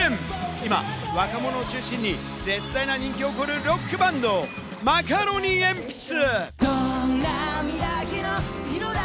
今、若者を中心に絶大な人気を誇るロックバンド、マカロニえんぴつ。